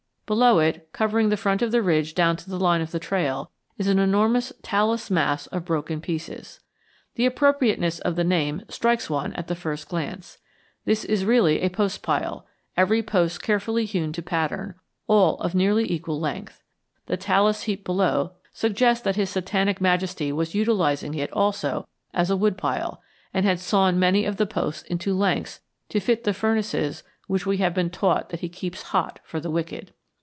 Below it, covering the front of the ridge down to the line of the trail, is an enormous talus mass of broken pieces. The appropriateness of the name strikes one at the first glance. This is really a postpile, every post carefully hewn to pattern, all of nearly equal length. The talus heap below suggests that his Satanic Majesty was utilizing it also as a woodpile, and had sawn many of the posts into lengths to fit the furnaces which we have been taught that he keeps hot for the wicked.